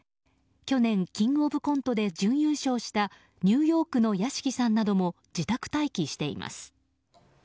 去年「キングオブコント」で準優勝したニューヨークの屋敷さんなども自宅待機しています。